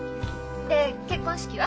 で結婚式は？